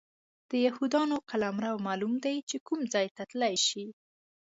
د یهودانو قلمرو معلوم دی چې کوم ځای ته تللی شي.